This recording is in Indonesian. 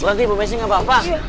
nanti bu messi nggak apa apa